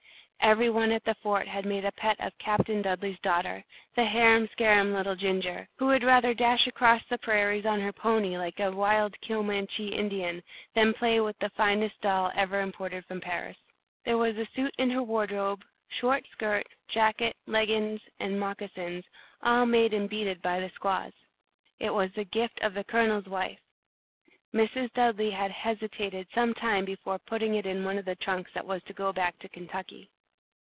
Every one at the fort had made a pet of Captain Dudley's daughter, the harum scarum little Ginger, who would rather dash across the prairies on her pony, like a wild Comanche Indian, than play with the finest doll ever imported from Paris. There was a suit in her wardrobe, short skirt, jacket, leggins, and moccasins, all made and beaded by the squaws. It was the gift of the colonel's wife. Mrs. Dudley had hesitated some time before putting it in one of the trunks that was to go back to Kentucky.